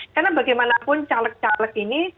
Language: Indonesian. karena bagaimanapun caleg caleg ini